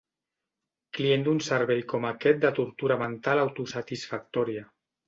Client d'un servei com aquest de tortura mental autosatisfactòria.